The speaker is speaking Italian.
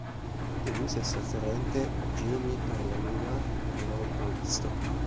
Delusa e sofferente, Jamie torna a New York prima del previsto.